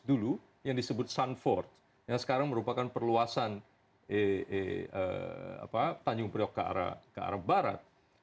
dulu yang disebut sunford yang sekarang merupakan perluasan tanjung priok ke arah barat